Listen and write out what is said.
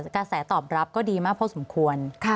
กระแสตอบรับก็ดีมากพอสมควร